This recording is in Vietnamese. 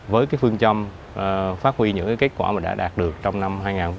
với cái phương châm phát huy những kết quả mà đã đạt được trong năm hai nghìn hai mươi ba